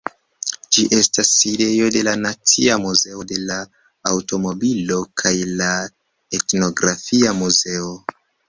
Ĝi estas sidejo de la Nacia Muzeo de la Aŭtomobilo kaj la Etnografia Muzeo.